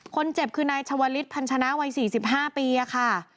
คนเจ็บคือนายชาวลิศพันชนะวัย๔๕ปีค่ะ